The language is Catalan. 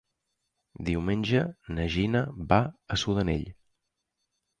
Diumenge na Gina va a Sudanell.